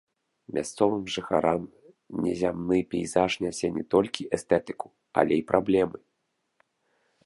Мясцовым жыхарам незямны пейзаж нясе не толькі эстэтыку, але і праблемы.